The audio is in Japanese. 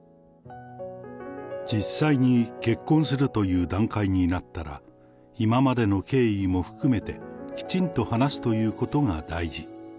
実際に結婚するという段階になったら、今までの経緯も含めて、きちんと話すということが大事。